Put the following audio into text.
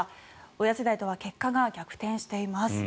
親世代とは結果が逆転しています。